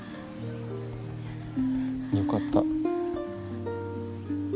よかった。